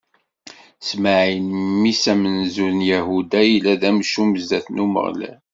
Smaɛil, mmi-s amenzu n Yahuda, yella d amcum zdat n Umeɣlal.